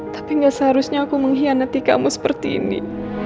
tapi gak seharusnya aku mengkhianati kamu seperti ini